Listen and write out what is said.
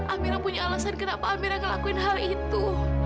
amira punya alasan kenapa amira ngelakuin hal itu